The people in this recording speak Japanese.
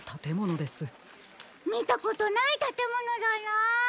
みたことないたてものだな。